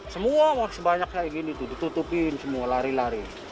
semua sebanyaknya gini tuh ditutupin semua lari lari